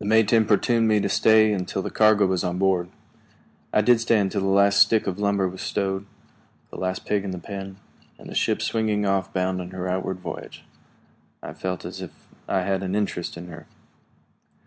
The mate importuned me to stay until the cargo was on board. I did stay until the last stick of lumber was stowed, the last pig in the pen, and the ship swinging off, bound on her outward voyage. I felt as if I had an interest in her.